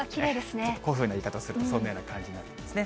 ちょっと古風な言い方をするとそんなふうな感じになるんですね。